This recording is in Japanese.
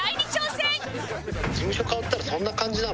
「事務所変わったらそんな感じなの？